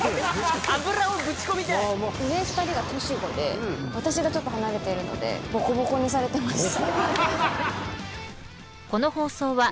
「ブチ込みたい」上２人が年子で私がちょっと離れているのでボコボコにされてました。